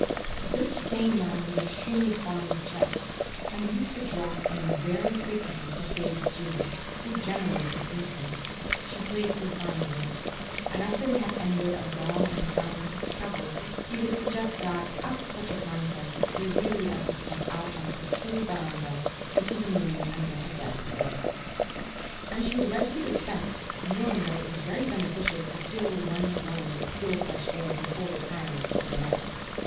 This same man was extremely fond of chess, and used to drop in very frequently to play with Julia, who generally could beat him (she played so fine a game), and after they had ended a long and scien tific struggle, he would suggest that, after such a contest, they really ought to step out on to the cool veranda to see the moon and get a breath of air. And she would readily assent, knowing that it was very beneficial to fill one's lungs with pure fresh air before retiring for the night.